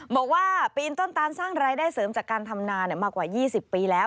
บอกว่าปีนต้นตานสร้างรายได้เสริมจากการทำนามากว่า๒๐ปีแล้ว